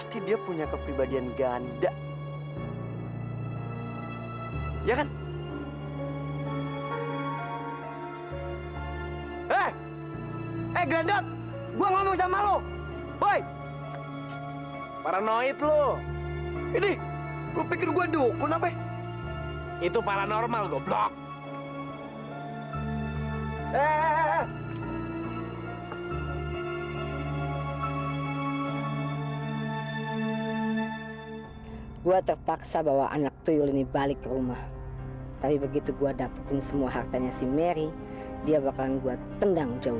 saya harus berterima kasih karena